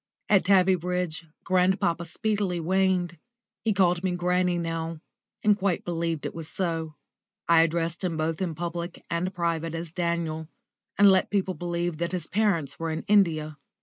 At Tavybridge grandpapa speedily waned. He called me "Granny" now, and quite believed it was so; I addressed him both in public and private as "Daniel," and let people believe that his parents were in India.